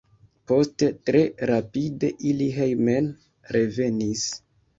Poste tre rapide ili hejmen revenis.